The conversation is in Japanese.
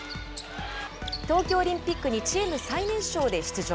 東京オリンピックにチーム最年少で出場。